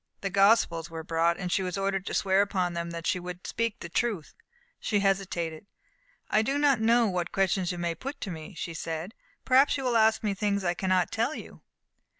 The Gospels were brought, and she was ordered to swear upon them that she would speak the truth. She hesitated. "I do not know what questions you may put to me," she said. "Perhaps you will ask me things I cannot tell you."